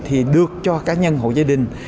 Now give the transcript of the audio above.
thì được cho cá nhân hộ gia đình